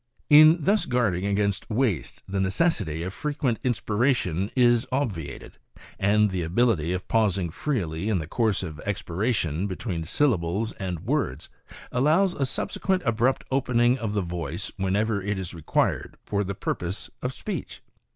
In thus guarding against waste the necessity of frequent inspiration is obviated, and the ability of pausing freely in the course of expiration between syllables aud words allows a subsequent abrupt opening of the voice whenever it is required for the purpose of speech."